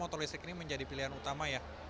motor listrik ini menjadi pilihan utama ya